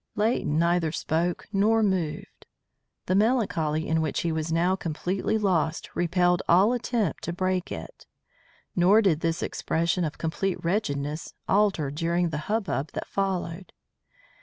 Leighton neither spoke nor moved. The melancholy in which he was now completely lost repelled all attempt to break it. Nor did this expression of complete wretchedness alter during the hubbub that followed.